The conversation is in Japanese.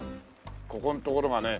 ここのところがね